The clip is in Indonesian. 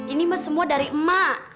ini semua dari emak